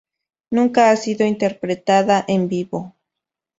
Nunca ha sido interpretada en vivo.